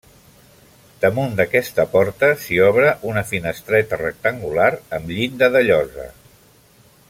Damunt d'aquesta porta s'hi obre una finestreta rectangular amb llinda de llosa.